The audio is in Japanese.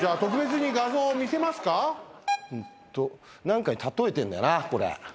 何かに例えてんだよなこれ。